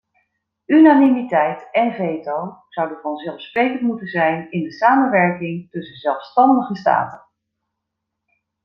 Unanimiteit en veto zouden vanzelfsprekend moeten zijn in de samenwerking tussen zelfstandige staten.